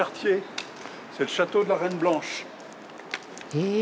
へえ。